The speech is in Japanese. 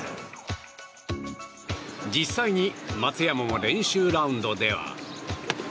実際に松山も練習ラウンドでは。